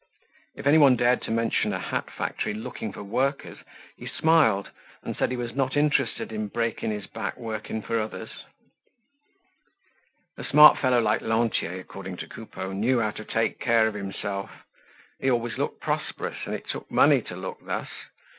If anyone dared to mention a hat factory looking for workers, he smiled and said he was not interested in breaking his back working for others. A smart fellow like Lantier, according to Coupeau, knew how to take care of himself. He always looked prosperous and it took money to look thus.